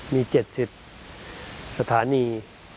มี๗๐สถานี